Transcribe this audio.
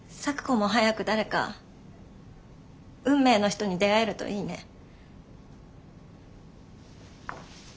咲子も早く誰か運命の人に出会えるといいね。